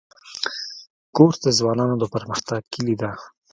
کورس د ځوانانو د پرمختګ کلۍ ده.